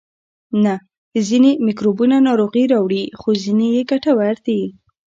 نه ځینې میکروبونه ناروغي راوړي خو ځینې یې ګټور دي